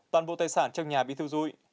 toàn bộ tài sản trong nhà bị thiêu dụi